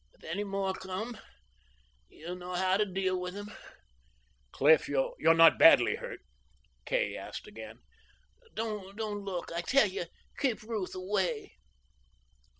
If any more come, you'll know how to deal with them." "Cliff, you're not badly hurt?" Kay asked again. "Don't look, I tell you! Keep Ruth away!"